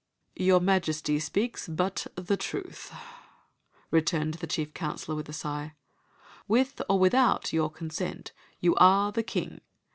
' "Your Majesty speaks but the truth," returned the chief counselor, with a sigh. " With or without your consent, you are the king.